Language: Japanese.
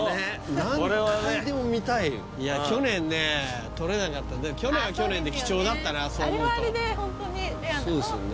何回でも見たいいや去年ね撮れなかった去年は去年で貴重だったなそう思うとあれはあれでホントにレアなそうですよね